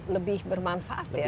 sedikit doang lagi ya